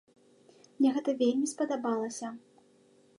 Мне гэта вельмі спадабалася.